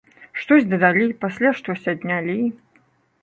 Штосьці дадалі, пасля штосьці аднялі.